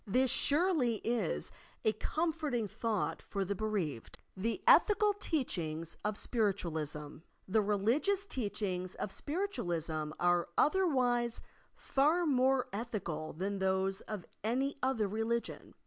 This, surely, is a comforting thought for the bereaved. THE ETHICS OF SPIRITUALISM THE ETHICAL TEACHINGS OP SPIRITOAUSM The religious teachings of Spiritualism are otherwise far more ethical than those of any other religion.